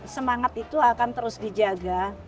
semangat itu akan terus dijaga